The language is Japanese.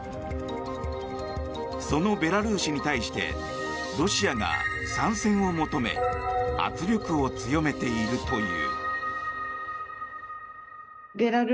そのベラルーシに対してロシアが参戦を求め圧力を強めているという。